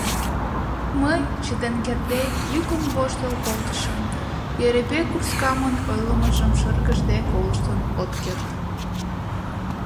Мый, чытен кертде, йӱкын воштыл колтышым, Йӧрепей курскамын ойлымыжым шыргыжде колыштын от керт.